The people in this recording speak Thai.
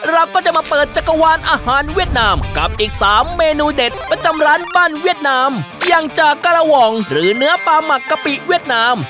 เราก็จะมาเปิดจักรวาลอาหารเวียดนามกับอีกสามเมนูเด็ดประจำร้านบ้านเวียดนามอย่างจากกระหว่องหรือเนื้อปลาหมักกะปิเวียดนาม